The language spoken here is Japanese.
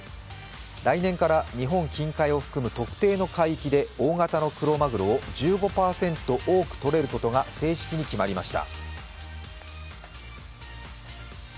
来年から日本近海を含む特定の海域で大型のクロマグロを１５％多くとれることが正式に決まりました。